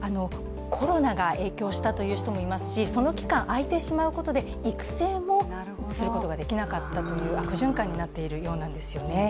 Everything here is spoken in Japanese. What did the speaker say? コロナが影響したという人もいますしその期間あいてしまうことで育成もすることができなかったという悪循環になっているようなんですよね。